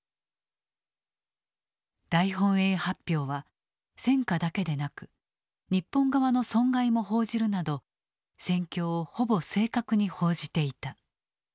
大本営発表は戦果だけでなく日本側の損害も報じるなど戦況をほぼ正確に報じていた。